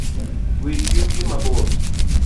Wit yugi mabor